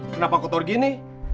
kenapa kotor gini